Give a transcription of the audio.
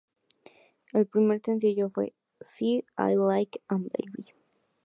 El primer sencillo fue "See It Like a Baby".